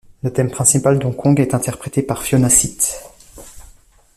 Le thème principal d'Hong Kong est interprété par Fiona Sit.